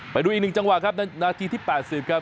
ไปดูอีกหนึ่งจังหวะครับนาทีที่๘๐ครับ